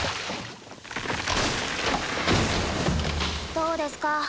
どうですか？